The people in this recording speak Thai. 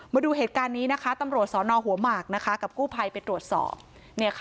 มาดูเหตุการณ์นี้นะคะตำรวจสอนอหัวหมากนะคะกับกู้ภัยไปตรวจสอบ